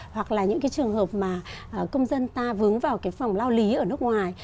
hoặc là những trường hợp mà công dân ta vướng vào phòng lao lý ở nước ngoài